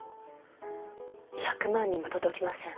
１００万にも届きません。